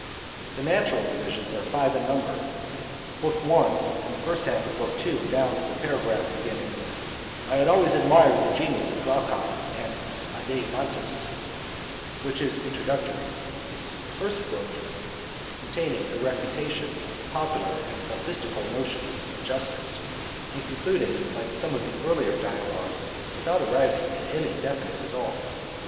The natural divisions are five in number;—(1) Book I and the first half of Book II down to the paragraph beginning, 'I had always admired the genius of Glaucon and Adeimantus,' which is introductory; the first book containing a refutation of the popular and sophistical notions of justice, and concluding, like some of the earlier Dialogues, without arriving at any definite result.